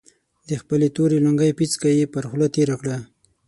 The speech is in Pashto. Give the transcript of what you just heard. د خپلې تورې لونګۍ پيڅکه يې پر خوله تېره کړه.